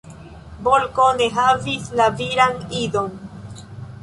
Bolko ne havis la viran idon.